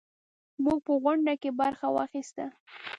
موږ په غونډه کې برخه واخیسته.